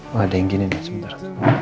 oh ada yang gini nih sebentar